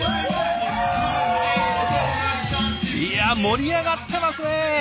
いや盛り上がってますね！